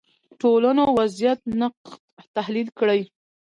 ټولنو وضعیت نقد تحلیل کړي